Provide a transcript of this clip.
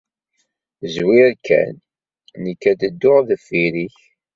Zwir kan, nekk ad d-dduɣ deffir-ik.